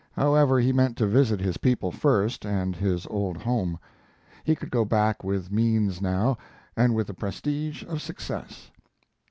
However, he meant to visit his people first, and his old home. He could go back with means now, and with the prestige of success.